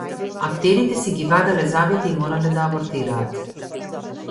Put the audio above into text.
Актерките си ги ваделе забите и морале да абортираат